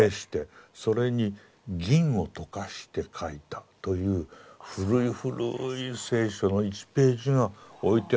それに銀を溶かして書いたという古い古い聖書の１ページが置いて。